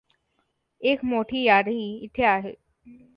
एक मोठी यादी येथे आहे.